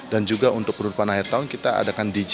dan juga untuk penerimaan akhir tahun kita adakan dj